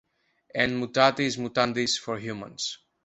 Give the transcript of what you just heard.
And "mutatis mutandis" for humans.